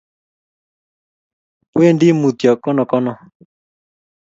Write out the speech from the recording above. wendi mutyo konokono.